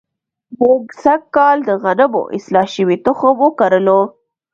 موږ سږ کال د غنمو اصلاح شوی تخم وکرلو.